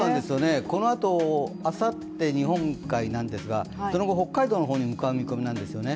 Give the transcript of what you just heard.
このあと、あさって日本海なんですがその後北海道の方に向かう見込みなんですよね